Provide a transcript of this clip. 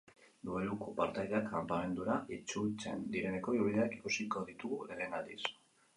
Dueluko partaideak kanpamendura itzultzen direneko irudiak ikusiko ditugu lehen aldiz.